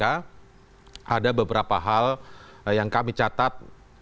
ada beberapa hal yang kami catat